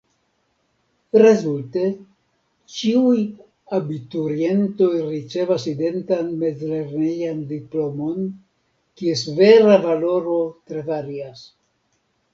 Rezulte: ĉiuj abiturientoj ricevas identan mezlernejan diplomon, kies vera valoro tre varias.